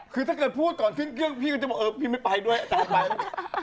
คือถ้าเกิดพูดก่อนขึ้นเครื่องพี่ก็จะบอกเออพี่ไม่ไปด้วยอาจารย์ไปแล้ว